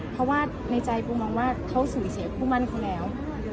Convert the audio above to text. เพราะว่าในใจปูมองว่าเขาสูญเสียคู่มั่นเขาแล้ว